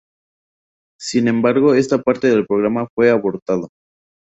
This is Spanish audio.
Sin embargo, esta parte del programa fue abortado.